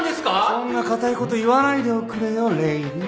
・そんな堅いこと言わないでおくれよレディー。